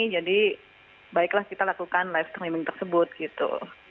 jadi baiklah kita lakukan live streaming tersebut gitu